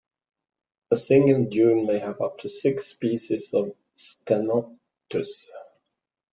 A single dune may have up to six species of "Ctenotus".